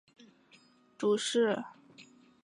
于是德宗令二人分别主事。